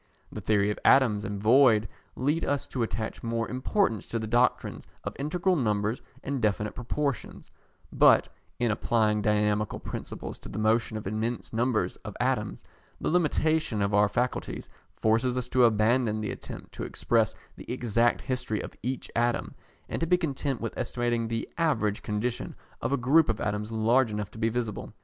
The theory of atoms and void leads us to attach more importance to the doctrines of integral numbers and definite proportions; but, in applying dynamical principles to the motion of immense numbers of atoms, the limitation of our faculties forces us to abandon the attempt to express the exact history of each atom, and to be content with estimating the average condition of a group of atoms large enough to be visible.